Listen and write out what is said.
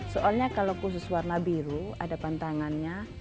soalnya kalau khusus warna biru ada pantangannya